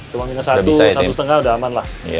cuma minus satu satu lima sudah amanlah